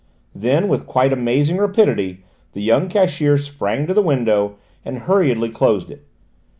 Then with quite amazing rapidity the young cashier sprang to the window and hurriedly closed it.